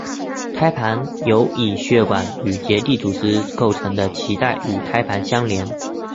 胎盘由以血管与结缔组织构成的脐带与胚胎相连。